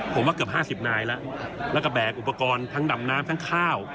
ผมว่าเกือบ๕๐นายแล้วแล้วก็แบกอุปกรณ์ทั้งดำน้ำทั้งข้าว